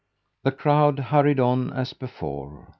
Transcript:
The crowd hurried on as before.